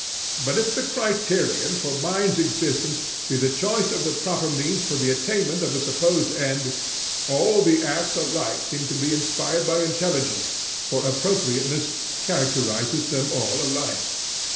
But if the criterion of mind's existence be the choice of the proper means for the attainment of a supposed end, all the acts alike seem to be inspired by intelligence, for APPROPRIATENESS characterizes them all alike."